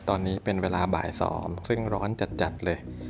ตอนนี้เป็นเวลาบ่าย๒ซึ่งร้อนจัดเลย